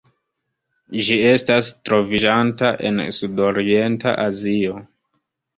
Ĝi estas troviĝanta en Sudorienta Azio.